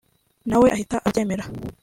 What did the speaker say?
na we ahita abyemera